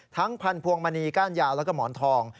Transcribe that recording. พันธวงมณีก้านยาวแล้วก็หมอนทอง